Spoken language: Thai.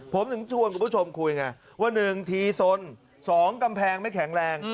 ผมถึงชวนคุณผู้ชมคุยไงว่า๑ทีสน๒กำแพงไม่แข็งแรง